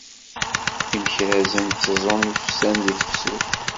Imekrazen teẓẓun ifsan deg tefsut.